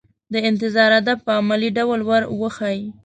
د انتظار آداب په عملي ډول ور وښيي.